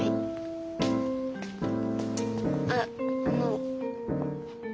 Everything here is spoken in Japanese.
あっあの。